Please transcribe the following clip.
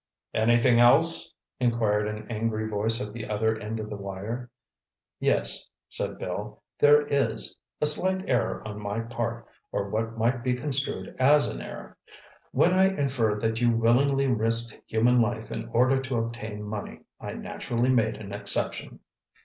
"Anything else?" inquired an angry voice at the other end of the wire. "Yes," said Bill, "there is. A slight error on my part, or what might be construed as an error. When I inferred that you willingly risked human life in order to obtain money, I naturally made an exception."